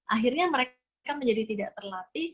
akhirnya mereka menjadi tidak terlatih